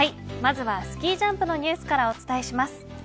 まずはスキージャンプのニュースからお伝えします。